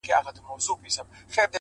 باور د انسان ځواک دی.!